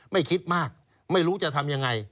ไม่คิดมากไม่รู้จะทำยังไง